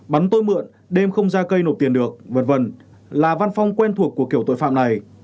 bắn tôi mượn đêm không ra cây nộp tiền được v v là văn phong quen thuộc của kiểu tội phạm này